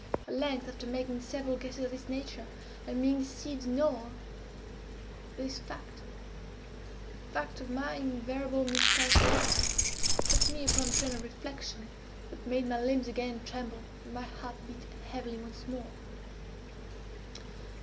At length, after making several guesses of this nature, and being deceived in all this fact the fact of my invariable miscalculation, set me upon a train of reflection that made my limbs again tremble, and my heart beat heavily once more.